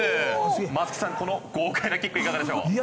松木さん、この豪快なキックいかがでしょう？